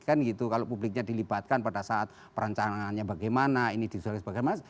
kan gitu kalau publiknya dilibatkan pada saat perancangannya bagaimana ini disoalis bagaimana